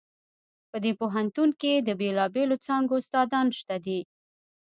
په دې پوهنتون کې د بیلابیلو څانګو استادان شته دي